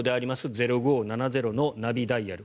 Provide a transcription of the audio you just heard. ０５７０のナビダイヤル。